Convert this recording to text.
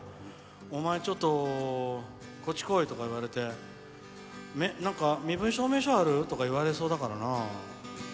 お前、ちょっとこっち来いとか言われて身分証明書ある？とか言われそうだからな。